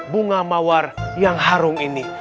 bunga mawar yang harum ini